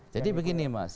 jadi begini mas